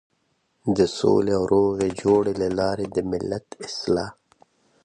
د سولې او روغې جوړې له لارې د ملت اصلاح.